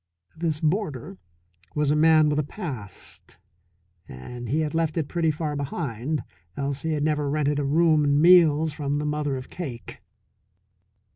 This boarder was a man with a past. And he had left it pretty far behind, else he had never rented a room and meals from the mother of Cake.